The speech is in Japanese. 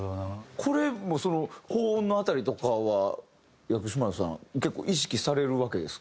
これも高音の辺りとかは薬師丸さん結構意識されるわけですか？